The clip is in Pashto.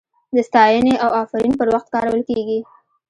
د ستاینې او افرین پر وخت کارول کیږي.